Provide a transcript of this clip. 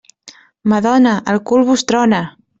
Madona, el cul vos trona.